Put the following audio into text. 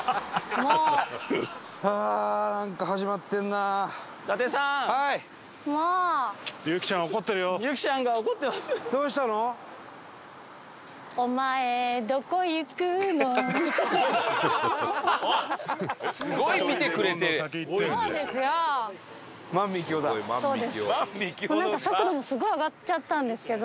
もうなんか速度もすごい上がっちゃったんですけど。